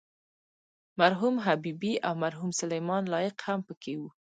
مرحوم حبیبي او مرحوم سلیمان لایق هم په کې وو.